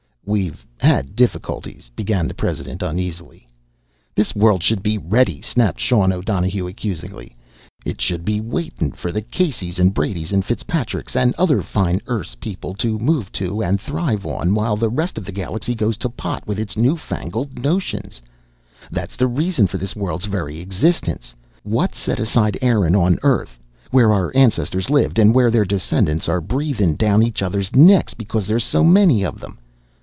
"We've had difficulties " began the president uneasily. "This world should be ready!" snapped Sean O'Donohue accusingly. "It should be waitin' for the Caseys and Bradys and Fitzpatricks and other fine Erse people to move to and thrive on while the rest of the galaxy goes to pot with its new fangled notions. That's the reason for this world's very existence. What set aside Erin on Earth, where our ancestors lived an' where their descendants are breathin' down each other's necks because there's so many of them?